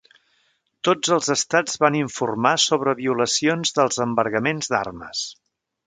Tots els estats van informar sobre violacions dels embargaments d'armes.